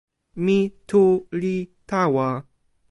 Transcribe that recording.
mi tu li tawa.